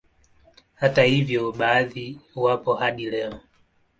Hata hivyo baadhi wapo hadi leo